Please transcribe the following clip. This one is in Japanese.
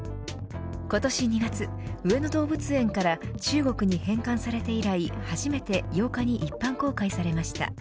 今年２月、上野動物園から中国に返還されて以来初めて８日に一般公開されました。